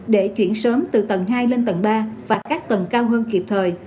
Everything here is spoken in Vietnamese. để chuyển sớm từ tầng hai lên tầng ba và các tầng cao hơn kịp thời